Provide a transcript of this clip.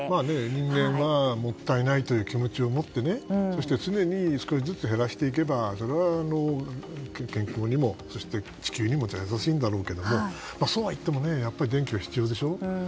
人間はもったいないという気持ちを持って常に少しずつ減らしていけばそれは健康にも地球にも優しいんだろうけどそうはいっても電気は必要でしょ。